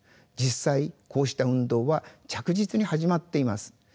実際こうした運動は着実に始まっています。